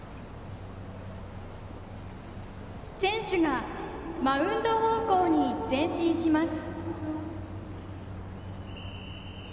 選手がマウンド方向に前進します。